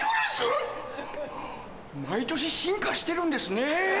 毎年進化してるんですね。